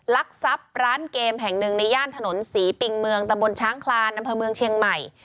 ลักทรัพย์ร้านเกมแห่งหนึ่งในย่านถนนศรีปิงเมืองตะบนช้างคลานอำเภอเมืองเชียงใหม่